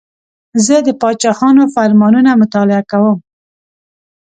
زه د پاچاهانو فرمانونه مطالعه کوم.